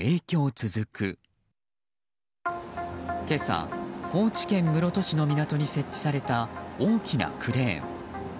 今朝、高知県室戸市の港に設置された大きなクレーン。